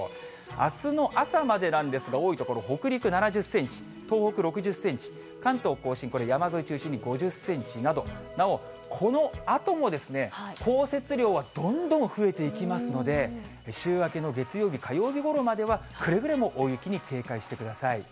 あすの朝までなんですが、多い所、北陸７０センチ、東北６０センチ、関東甲信、これ、山沿い中心に５０センチなど、なお、このあとも、降雪量はどんどん増えていきますので、週明けの月曜日、火曜日ごろまではくれぐれも大雪に警戒してください。